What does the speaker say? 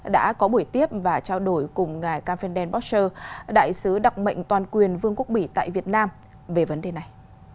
đã có buổi tiếp và trao đổi cùng ngài campendale borscher đại sứ đặc mệnh toàn quyền vương quốc bỉ tại việt nam về vấn đề này